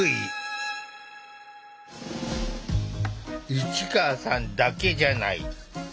市川さんだけじゃない。